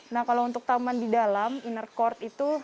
nah kalau untuk taman di dalam inner court itu